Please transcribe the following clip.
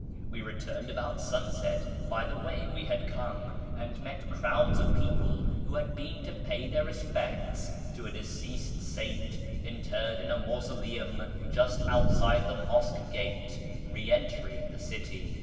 We returned about sunset by the way we had come, and met crowds of people, who had been to pay their respects to a deceased saint interred in a mausoleum just outside the Mosque Gate, re entering the city.